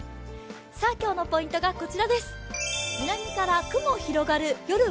今日のポイントがこちらです。